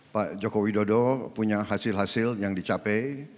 pak joko widodo punya hasil hasil yang dicapai